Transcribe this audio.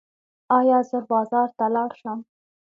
ایا زه بازار ته لاړ شم؟